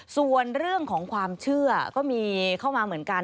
ส่วนเรื่องของความเชื่อก็มีเข้ามาเหมือนกัน